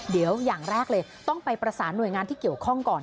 เดี๋ยวอย่างแรกเลยต้องไปประสานหน่วยงานที่เกี่ยวข้องก่อน